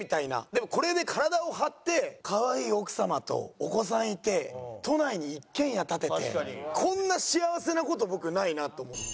でもこれで体を張って可愛い奥様とお子さんいて都内に一軒家建ててこんな幸せな事僕ないなと思って。